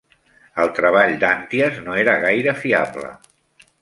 El treball d'Antias no era gaire fiable.